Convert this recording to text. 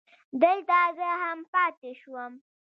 دلته زه هم پاتې شوم.